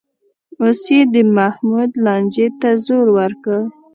اوس یې د محمود لانجې ته زور ورکړ